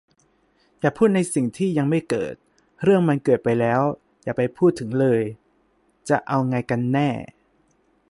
"อย่าพูดในสิ่งที่ยังไม่เกิด" "เรื่องมันเกิดไปแล้ว อย่าไปพูดถึงเลย" จะเอาไงกันแน่ ?